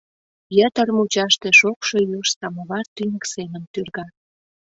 Йытыр мучаште шокшо юж самовар тӱньык семын тӱрга.